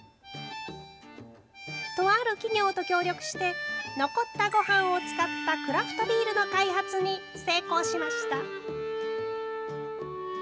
とある企業と協力して残ったご飯を使ったクラフトビールの開発に成功しました。